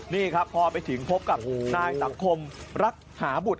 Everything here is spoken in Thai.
นี่ครับพอไปถึงพบกับนายสังคมรักหาบุตร